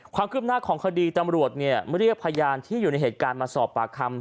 ความคืบหน้าของคดีตำรวจเรียกพยานที่อยู่ในเหตุการณ์มาสอบปากคำ